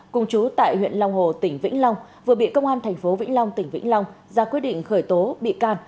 cùng chú tại huyện long hồ tỉnh vĩnh long vừa bị công an tp vĩnh long tỉnh vĩnh long ra quyết định khởi tố bị can